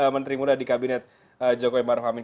menteri muda di kabinet jokowi baru hamid